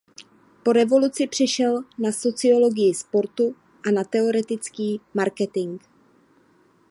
Po revoluci přešel na sociologii sportu a na teoretický marketing.